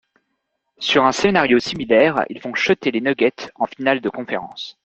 Sur un scenario similaire ils font chuter les Nuggets en finale de conférence.